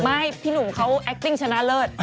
ไม่พี่หนุ่มเขาแอคติ้งชนะเลิศ